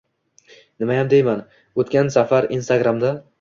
Nimayam deyman, o‘tgan safar instagramda…